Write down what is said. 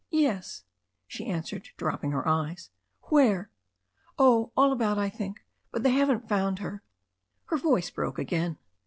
"Yes," she answered, dfopping her eyes. "Where ?" "Oh, all about, I think, but they haven't found her " Rer voice broke again.